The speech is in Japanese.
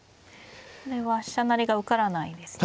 これは飛車成りが受からないですね。